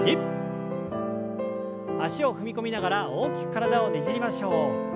脚を踏み込みながら大きく体をねじりましょう。